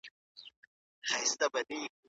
که حکومت عاجز سو نو پيسې مه اخلئ.